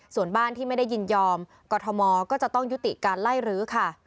ส่วนบ้านที่ไม่ได้ยินยอมกรทมก็จะต้องยุติการไล่รื้อค่ะ